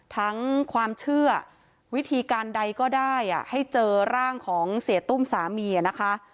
ความเชื่อวิธีการใดก็ได้ให้เจอร่างของเสียตุ้มสามีนะคะ